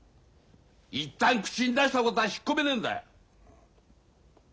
一旦口に出したことは引っ込めねえんだ。